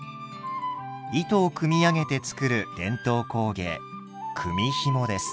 糸を組み上げて作る伝統工芸組みひもです。